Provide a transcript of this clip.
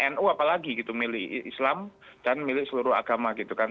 nu apalagi gitu milik islam dan milik seluruh agama gitu kan